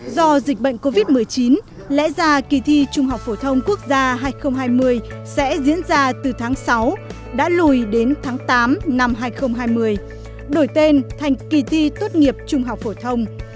do dịch bệnh covid một mươi chín lẽ ra kỳ thi trung học phổ thông quốc gia hai nghìn hai mươi sẽ diễn ra từ tháng sáu đã lùi đến tháng tám năm hai nghìn hai mươi đổi tên thành kỳ thi tốt nghiệp trung học phổ thông